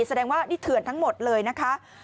แสดงว่านี่เถื่อนทั้งหมดเลยนะคะ